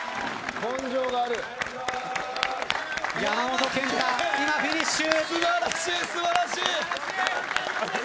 山本賢太、今フィニッシュ。